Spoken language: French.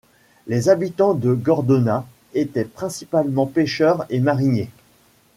Les habitants de Gordona étaient principalement pêcheurs et mariniers.